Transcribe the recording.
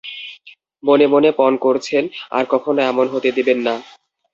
মনে মনে পণ করছেন আর কখনো এমন হতে দেবেন না।